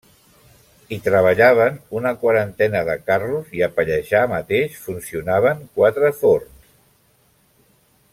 Hi treballaven una quarantena de carros i a Pallejà mateix funcionaven quatre forns.